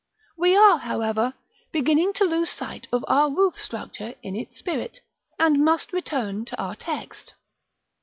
§ X. We are, however, beginning to lose sight of our roof structure in its spirit, and must return to our text.